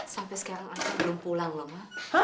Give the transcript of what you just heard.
sampai sekarang aku belum pulang loh ma